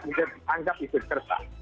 sehingga bisa dianggap isu kersah